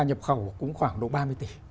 nhập khẩu cũng khoảng độ ba mươi tỷ